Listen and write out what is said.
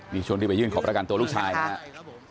นี่ช่วงที่ไปยื่นขอประกันตัวลูกชายนะครับ